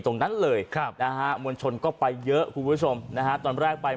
ตรงนั้นเลยครับนะฮะมวลชนก็ไปเยอะคุณผู้ชมนะฮะตอนแรกไป